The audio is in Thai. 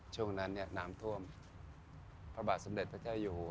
ช่วงนั้นน้ำท่วมพระบาทสมเด็จพระเจ้าอยู่หัว